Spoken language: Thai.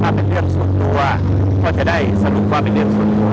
ถ้าเป็นเรื่องส่วนตัวก็จะได้สรุปว่าเป็นเรื่องส่วนตัว